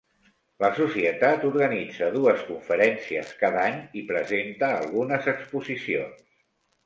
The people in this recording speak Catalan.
La societat organitza dues conferències cada any i presenta algunes exposicions.